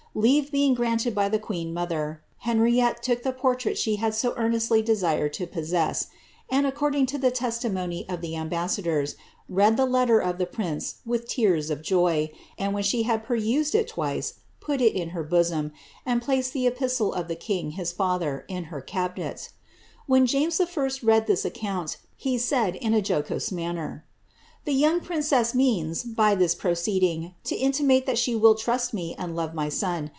Leave being granted by the queen mother, Henriette took the portrait she had so earnestly desired to possess, and, according to the testimony of the ambassadors, read the letter of the prince with tears of joy, and when she had perused it twice, put it in her bosom, and placed the epistle of the king, his father, in her cabinet When James I. read this account, he said, in his jocose manner, ^ The young princess means, by this pro ceeding, to intimate that she will trust me and love my son.